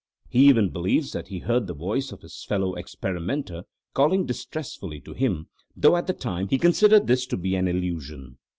He even believes that he heard the voice of his fellow experimenter calling distressfully to him, though at the time he considered this to be an illusion.